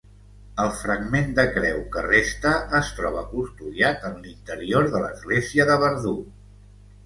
El fragment de creu que resta es troba custodiat en l'interior de l'església de Verdú.